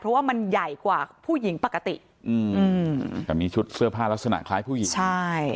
เพราะว่ามันใหญ่กว่าผู้หญิงปกติอืมแต่มีชุดเสื้อผ้าลักษณะคล้ายผู้หญิงใช่